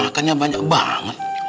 makannya banyak banget